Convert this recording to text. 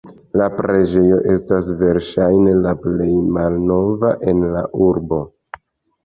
La preĝejo estas verŝajne la plej malnova en la urbo.